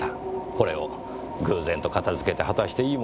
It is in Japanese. これを偶然と片付けて果たしていいものでしょうかねぇ。